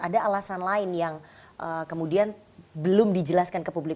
ada alasan lain yang kemudian belum dijelaskan ke publik